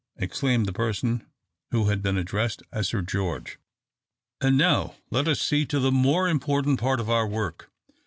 exclaimed the person who had been addressed as "Sir George." "And now let us see to the more important part of our work.